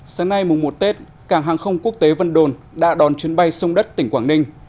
sáng nay mùng một tết cảng hàng không quốc tế vân đồn đã đón chuyến bay sông đất tỉnh quảng ninh